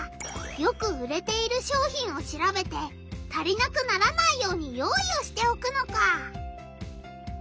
よく売れている商品を調べて足りなくならないように用意をしておくのか。